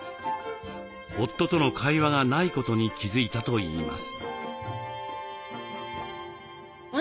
夫との会話がないことに気付いたといいます。